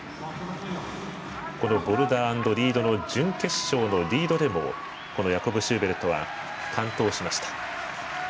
このボルダー＆リードの準決勝のリードでもヤコブ・シューベルトは完登しました。